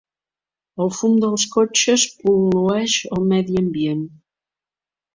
El fum dels cotxes pol·lueix el medi ambient.